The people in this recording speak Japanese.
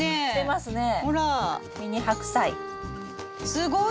すごい。